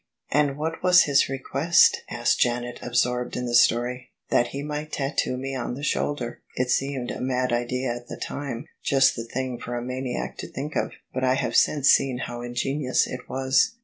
"And what was his request?" asked Janet, absorbed in the story. " That he might tattoo me on the shoulder. It seemed a mad idea at the time — ^just the thing for a maniac to think of — ^but I have since seen how ingenious it was."